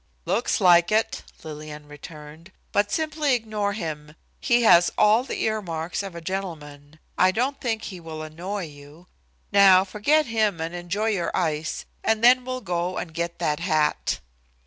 "Looks like it," Lillian returned, "but simply ignore him. He has all the ear marks of a gentleman. I don't think he will annoy you. Now forget him and enjoy your ice, and then we'll go and get that hat."